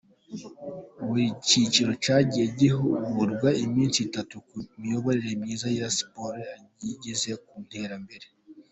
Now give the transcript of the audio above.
Buri cyiciro cyagiye gihugurwa iminsi itatu ku miyoborere myiza ya siporo yayigeza ku iterambere.